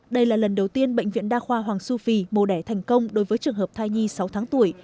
đây là lần đầu tiên bệnh viện đa khoa hoàng su phi mô đẻ thành công đối với trường hợp thai nhi sáu tháng tuổi